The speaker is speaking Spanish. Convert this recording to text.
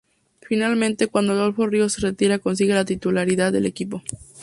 Finalmente, cuando Adolfo Ríos se retira consigue la titularidad del equipo.